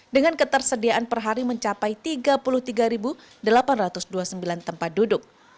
dengan ketersediaan per hari mencapai tiga puluh tiga delapan ratus dua puluh sembilan tempat duduk